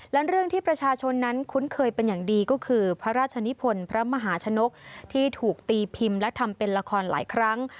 และเรื่องที่ประชาชนนั้นคุ้นเคยเป็นอย่างดีก็คือพระราชนิพลพระมหาชนกที่ถูกตีพิมพ์และทำเป็นละครหลายครั้ง